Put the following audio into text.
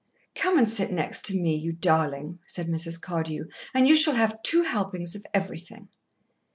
"Come and sit next to me, you darling," said Mrs. Cardew, "and you shall have two helpings of everything."